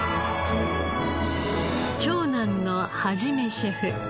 長男の元シェフ。